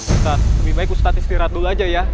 ustadz lebih baik ustadz istirahat dulu aja ya